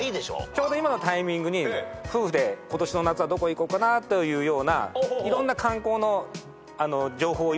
ちょうど今のタイミングに夫婦で今年の夏はどこ行こうかなというようないろんな観光の情報を今仕入れてる最中なんですよ。